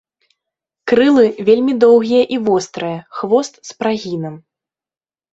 Крылы вельмі доўгія і вострыя, хвост з прагінам.